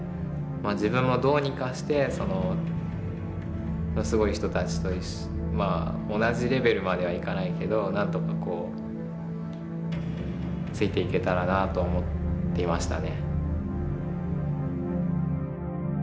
自分もどうにかしてすごい人たちと同じレベルまではいかないけどなんとかついていけたらなと思っていましたね。